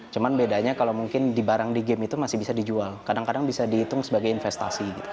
cuma bedanya kalau mungkin di barang di game itu masih bisa dijual kadang kadang bisa dihitung sebagai investasi